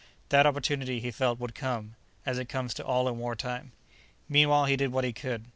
That opportunity, he felt, would come, as it comes to all in wartime. Meanwhile he did what he could.